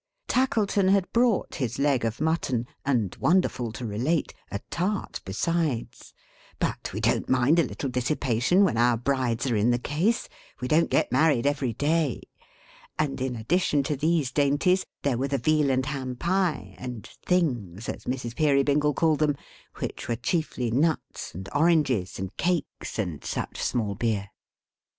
Tackleton had brought his leg of mutton, and, wonderful to relate, a tart besides but we don't mind a little dissipation when our brides are in the case; we don't get married every day and in addition to these dainties, there were the Veal and Ham Pie, and "things," as Mrs. Peerybingle called them; which were chiefly nuts and oranges, and cakes, and such small deer.